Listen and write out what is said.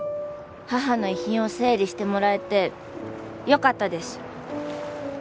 母の遺品を整理してもらえてよかったです。